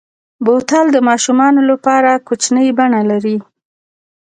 بوتل د ماشومو لپاره کوچنۍ بڼه لري.